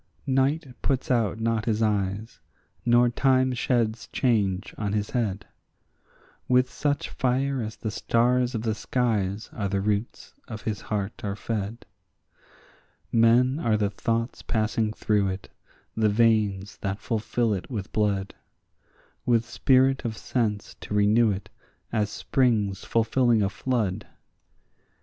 Night puts out not his eyes, nor time sheds change on his head; With such fire as the stars of the skies are the roots of his heart are fed. Men are the thoughts passing through it, the veins that fulfil it with blood, With spirit of sense to renew it as springs fulfilling a flood.